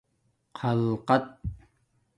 خَلقَت